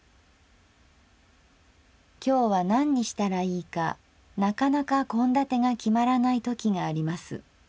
「今日は何にしたらいいかなかなか献立が決まらないときがあります。